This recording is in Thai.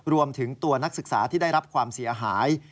รวมถึงตัวนักศึกษาที่ได้รับความเสียหาย